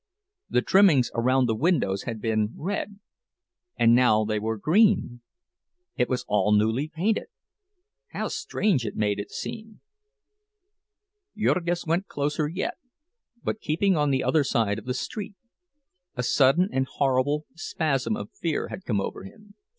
The trimmings around the windows had been red, and now they were green! It was all newly painted! How strange it made it seem! Jurgis went closer yet, but keeping on the other side of the street. A sudden and horrible spasm of fear had come over him.